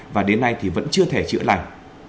và đến nay thì vẫn chưa thể chữa lạnh